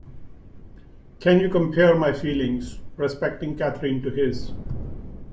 Can you compare my feelings respecting Catherine to his?